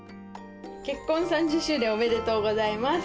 結婚３０周年おめでとうございます。